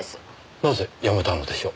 なぜやめたのでしょう？